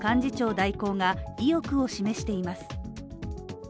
代行が意欲を示しています